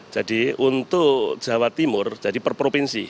jadi untuk jawa timur jadi per provinsi